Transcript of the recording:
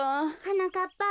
はなかっぱ。